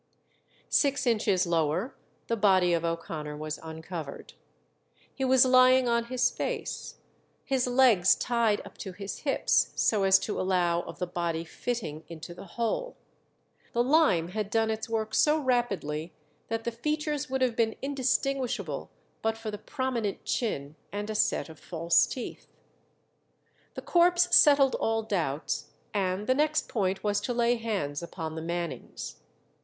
Six inches lower the body of O'Connor was uncovered. He was lying on his face, his legs tied up to his hips so as to allow of the body fitting into the hole. The lime had done its work so rapidly that the features would have been indistinguishable but for the prominent chin and a set of false teeth. The corpse settled all doubts, and the next point was to lay hands upon the Mannings.